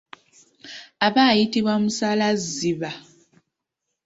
Aba ayitibwa musalazziba.